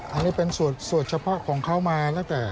อันนี้เป็นสูตรเฉพาะของเขามา